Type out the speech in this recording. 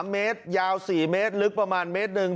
๓เมตรยาว๔เมตรลึกประมาณเมตรหนึ่ง